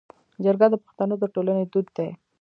جرګه د پښتنو د ټولنې دود دی